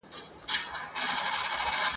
بس په زړه کي یې کراري اندېښنې سوې ..